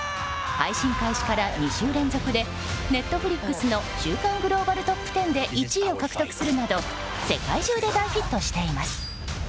配信開始から２週連続でＮｅｔｆｌｉｘの週間グローバルトップ１０で１位を獲得するなど世界中で大ヒットしています。